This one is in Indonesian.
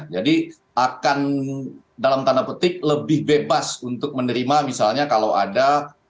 jadi akan dalam tanda petik lebih bebas untuk menerima misalnya kalau ada